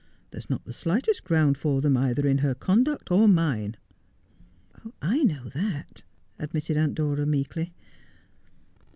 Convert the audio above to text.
There is not the slightest ground for them either in her conduct or mine.' ' I know that,' admitted Aunt Dora meekly.